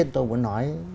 chúng tôi muốn nói